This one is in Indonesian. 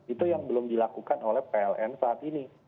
itu yang belum dilakukan oleh pln saat ini